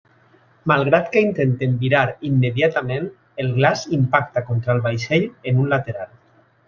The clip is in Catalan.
Malgrat que intenten virar immediatament, el glaç impacta contra el vaixell en un lateral.